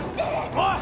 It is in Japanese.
・・おい！